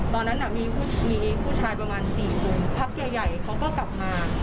ตอนนั้นมีผู้ชายประมาณ๔คนพักใหญ่เขาก็กลับมา